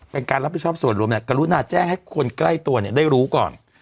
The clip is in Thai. เป็นการรับผิดชอบส่วนรวมกรุณาแจ้งให้คนใกล้ตัวเนี่ยได้รู้ก่อน